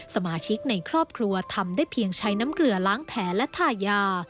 สมาชิกในครอบครัวทำได้เพียงใช้น้ำเกลือล้างแผลและทายา